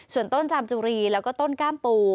ส่วนต้นจามจุรีแล้วก็ต้นกล้ามปู